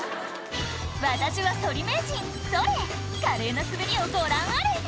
「私はソリ名人それっ華麗な滑りをご覧あれ」